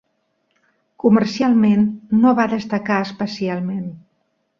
Comercialment no va destacar especialment.